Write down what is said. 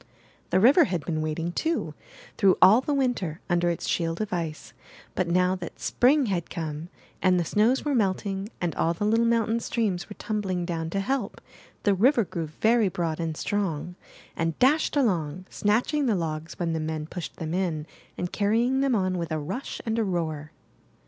The river had been waiting, too, through all the Winter, under its shield of ice, but now that Spring MY BOOK HOUSE had come, and the snows were melting, and all the little mountain streams were tumbling down to help, the river grew very broad and strong, and dashed along, snatching the logs when the men pushed them in and carry ing them on with a rush and a roar.